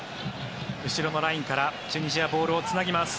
後ろのラインから、チュニジアボールをつなぎます。